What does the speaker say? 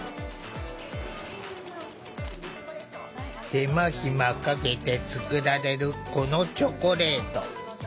手間暇かけて作られるこのチョコレート。